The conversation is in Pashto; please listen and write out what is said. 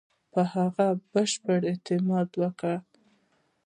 په هغه بشپړ اعتماد وکړ.